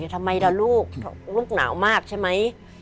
ทำไมล่ะลูกลูกหนาวมากใช่ไหม